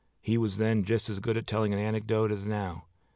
He was then just as good at telling an anecdote as now.